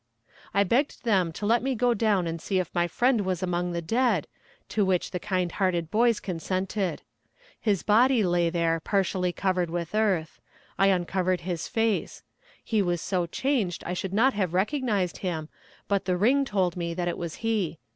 I begged them to let me go down and see if my friend was among the dead, to which the kind hearted boys consented. His body lay there partially covered with earth; I uncovered his face; he was so changed I should not have recognized him, but the ring told me that it was he.